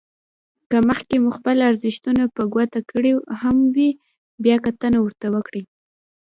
که مخکې مو خپل ارزښتونه په ګوته کړي هم وي بيا کتنه ورته وکړئ.